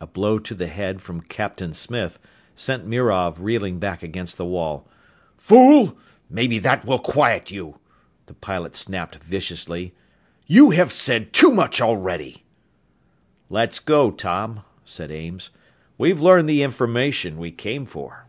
A blow to the head from "Captain Smith" sent Mirov reeling back against the wall. "Fool! Maybe that will quiet you!" the pilot snapped viciously. "You have said too much already!" "Let's go, Tom," said Ames. "We've learned the information we came for."